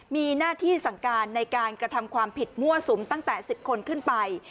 มีหน้าที่สั่งการในการกระทำความผิดมั่วสุมตั้งแต่๑๐คนขึ้นไป